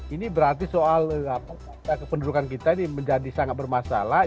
ini berarti soal kependudukan kita ini menjadi sangat bermasalah